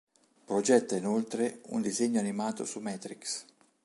Progetta inoltre un disegno animato su Matrix.